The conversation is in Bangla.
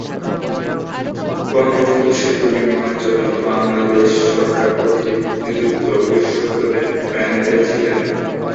বঙ্গবন্ধু সেতু নির্মাণের জন্য বাংলাদেশ সরকার কর্তৃক নিযুক্ত বিশেষজ্ঞদের প্যানেলে ছিলেন।